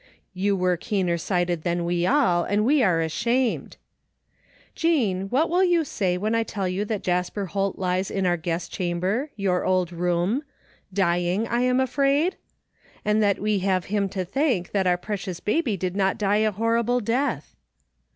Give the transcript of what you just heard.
You were keener sighted than we all and we are ashamed ! "Jean, what will you say when I tell you that Jasper Holt lies in our guest chamber, your old room — dying, I am afraid ? And that we have him to thank that our precious baby did not die a horrible death